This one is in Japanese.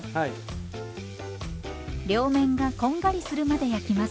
両面がこんがりするまで焼きます。